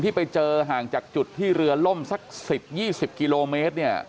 ไปเจอห่างจากจุดที่เรือล่มสัก๑๐๒๐กิโลเมตรเนี่ย